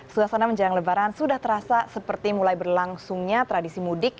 suasana menjelang lebaran sudah terasa seperti mulai berlangsungnya tradisi mudik